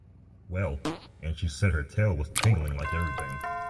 Well — and she said her tail was tingling like everything!